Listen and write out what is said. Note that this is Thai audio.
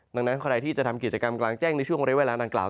ดังนั้นใครที่จะทำกิจกรรมกลางแจ้งในช่วงเรียกเวลานางกล่าว